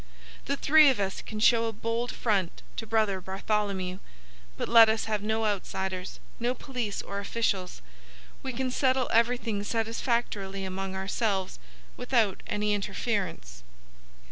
The three of us can show a bold front to Brother Bartholomew. But let us have no outsiders,—no police or officials. We can settle everything satisfactorily among ourselves, without any interference.